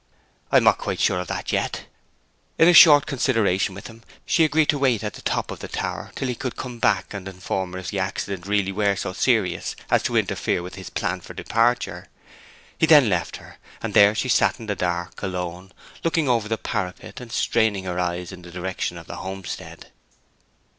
'I am not quite sure of that yet.' On a short consideration with him, she agreed to wait at the top of the tower till he could come back and inform her if the accident were really so serious as to interfere with his plan for departure. He then left her, and there she sat in the dark, alone, looking over the parapet, and straining her eyes in the direction of the homestead.